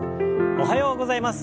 おはようございます。